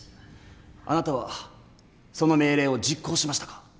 あなたはその命令を実行しましたか？